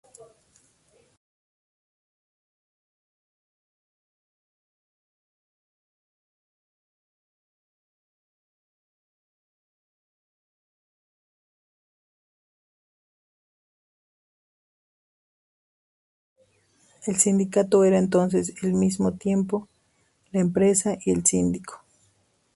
El sindicato era entonces, al mismo tiempo la empresa y el sindico.